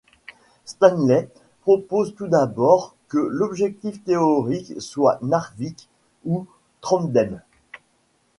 Stanley propose tout d'abord que l'objectif théorique soit Narvik ou Trondheim.